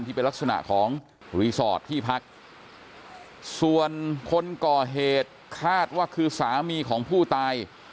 ที่เป็นลักษณะของรีสอร์ทที่พักส่วนคนก่อเหตุคาดว่าคือสามีของผู้ตาย